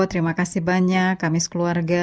terima kasih banyak kami sekeluarga